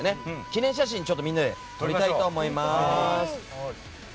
記念撮影をみんなで撮りたいと思います。